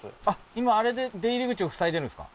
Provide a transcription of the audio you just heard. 今あれで出入り口を塞いでるんですか？